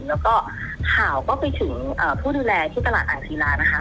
แล้วก็ข่าวก็ไปถึงผู้ดูแลที่ตลาดอ่างศิลานะคะ